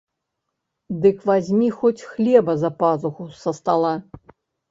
Дык вазьмі хоць хлеба за пазуху са стала.